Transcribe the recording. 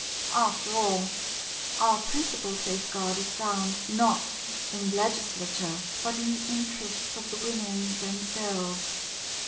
After all, our principal safeguard is found, not in Legislature, but in the interests of the Women themselves.